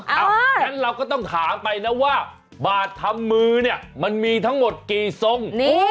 อย่างนั้นเราก็ต้องถามไปนะว่าบาททำมือเนี่ยมันมีทั้งหมดกี่ทรง